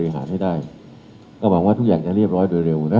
หาไม่ได้ก็หวังว่าทุกอย่างจะเรียบร้อยโดยเร็วนะ